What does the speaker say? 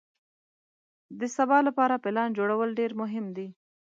د سبا لپاره پلان جوړول ډېر مهم دي.